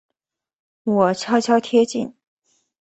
我悄悄贴近